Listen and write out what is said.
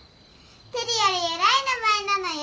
テルより偉い名前なのよ。